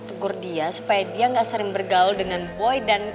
tegur dia supaya dia nggak sering bergaul dengan boy dan